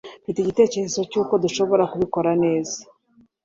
Mfite igitekerezo cyuko dushobora kubikora neza.